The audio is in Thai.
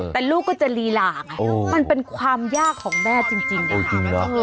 แต่ลูกก็จะลีลาไงมันเป็นความยากของแม่จริงนะ